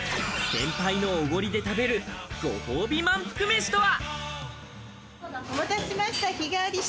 先輩のおごりで食べる、ご褒美まんぷく飯とは？